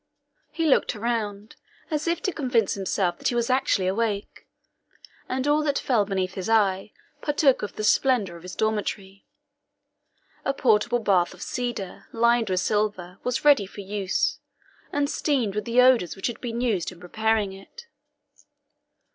He looked around, as if to convince himself that he was actually awake; and all that fell beneath his eye partook of the splendour of his dormitory. A portable bath of cedar, lined with silver, was ready for use, and steamed with the odours which had been used in preparing it.